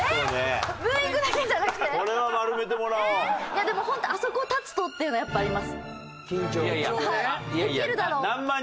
いやでもホントあそこ立つとっていうのはやっぱあります。